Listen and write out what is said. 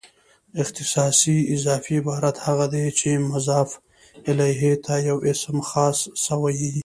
اختصاصي اضافي عبارت هغه دئ، چي مضاف الیه ته یو اسم خاص سوی يي.